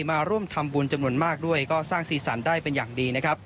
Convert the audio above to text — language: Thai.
มาร่วมทำบุญจำนวนมากด้วยก็สร้างศีรษรรณได้เป็นอย่างดี